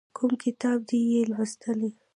کوم کتاب دې یې لوستی؟